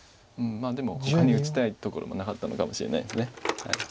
でもほかに打ちたいところもなかったのかもしれないです。